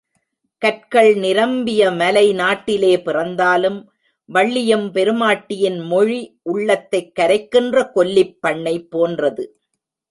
கற்கள் நிரம்பிய மலை நாட்டிலே பிறந்தாலும், வள்ளியெம்பெருமாட்டியின் மொழி உள்ளத்தைக் கரைக்கின்ற கொல்லிப் பண்ணைப் போன்றது.